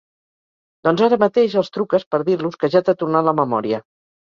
Doncs ara mateix els truques per dir-los que ja t'ha tornat la memòria.